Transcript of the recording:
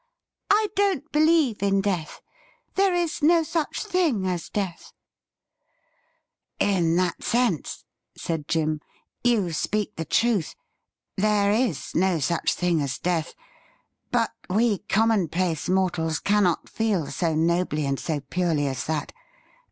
I don't believe in death. There is no such thing as death !'' In that sense,' said Jim, ' you speak the truth. There is no such thing as death ; but we commonplace mortals cannot feel so nobly and so piurely as that.